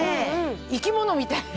生き物みたい。